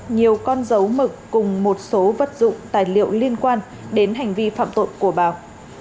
nhiều con dấu mực cùng một số vật dụng tài liệu liên quan đến hành vi phạm tội của báo